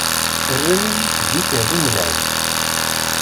Rran-iyi d ikerri n lɛid!